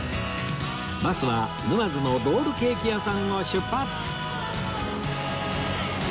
バスは沼津のロールケーキ屋さんを出発！